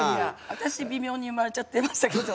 私微妙に生まれちゃってましたけど。